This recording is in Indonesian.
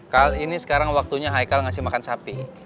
kal ini sekarang waktunya hai kal ngasih makan sapi